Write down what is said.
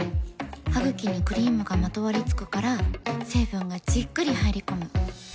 ハグキにクリームがまとわりつくから成分がじっくり入り込む。